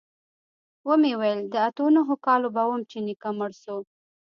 ومې ويل د اتو نهو کالو به وم چې نيکه مړ سو.